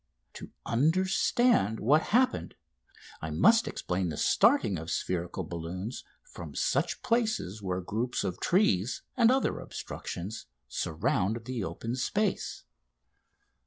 To understand what happened I must explain the starting of spherical balloons from such places where groups of trees and other obstructions surround the open space.